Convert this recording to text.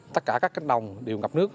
tất cả các cánh đồng đều ngập nước